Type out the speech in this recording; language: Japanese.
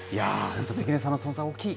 本当に関根さんの存在大きい。